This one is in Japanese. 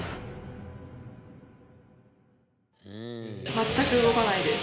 全く動かないです。